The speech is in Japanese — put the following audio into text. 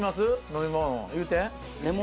飲み物言うて。